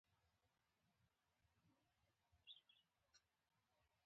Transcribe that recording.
د خوشحال بابا شعر باید معنا کړي.